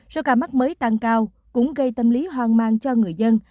số ca mắc mới tăng cao cũng gây tâm lý hoang mang cho người dân